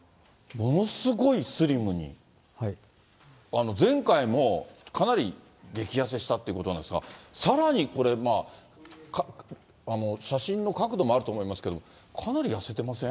ものすごいスリムに、前回も、かなり激痩せしたってことなんですが、さらにこれ、写真の角度もあると思いますけれども、かなり痩せてません？